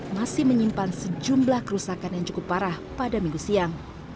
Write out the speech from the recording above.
masih menyimpan sejumlah kerusakan yang cukup parah pada minggu siang